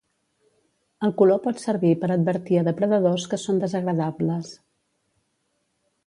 El color pot servir per advertir a depredadors que són desagradables.